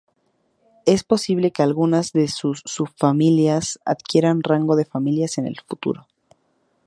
Es posible que algunas de sus subfamilias adquieran rango de familias en el futuro.